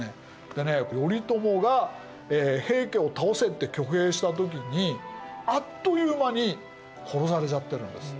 でね頼朝が平家を倒せって挙兵した時にあっという間に殺されちゃってるんです。